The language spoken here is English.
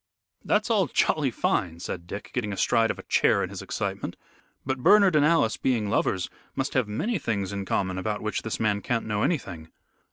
"That's all jolly fine," said Dick, getting astride of a chair in his excitement, "but Bernard and Alice, being lovers, must have many things in common about which this man can't know anything."